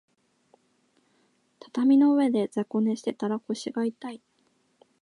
畳の上で雑魚寝してたら腰が痛い